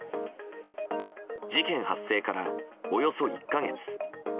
事件発生から、およそ１か月。